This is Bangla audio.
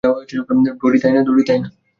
ডোরি তাই না?